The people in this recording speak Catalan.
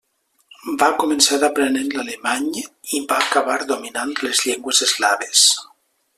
Va començar aprenent l'alemany i va acabar dominant les llengües eslaves.